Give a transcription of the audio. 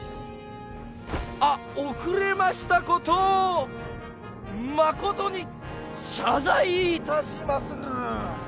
あっ遅れましたこと誠に謝罪いたしまする！